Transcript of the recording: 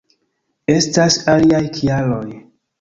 Estas aliaj kialoj.